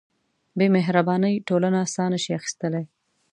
بېمهربانۍ ټولنه ساه نهشي اخیستلی.